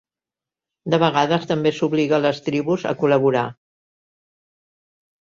De vegades també s'obligà les tribus a col·laborar.